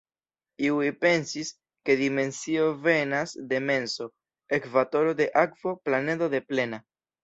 Iuj pensis, ke dimensio venas de menso, ekvatoro de akvo, planedo de plena!